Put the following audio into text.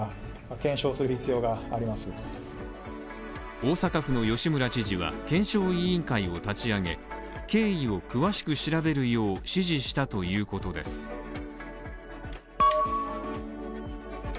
大阪府の吉村知事は、検証委員会を立ち上げ、経緯を詳しく調べるよう指示したということです。